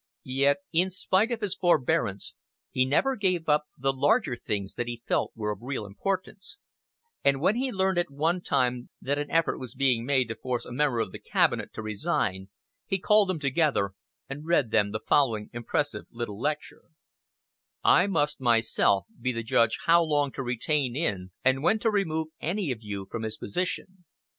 Yet in spite of his forbearance he never gave up the "larger things" that he felt were of real importance; and when he learned at one time that an effort was being made to force a member of the cabinet to resign, he called them together, and read them the following impressive little lecture: "I must myself be the judge how long to retain in, and when to remove any of you from his position.